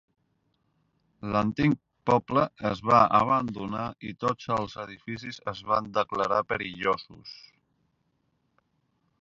L'antic poble es va abandonar i tots els edificis es van declarar perillosos.